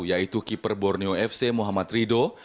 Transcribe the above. yaitu keeper borneo fc muhammad rido